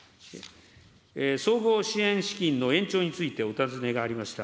総合支援資金の延長についてお尋ねがありました。